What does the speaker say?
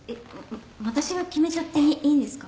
私が決めちゃっていいんですか？